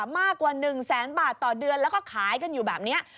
มากกว่า๑แสนบาทต่อเดือนแล้วก็ขายกันอยู่แบบนี้